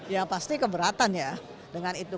ya pasti keberatan ya dengan itu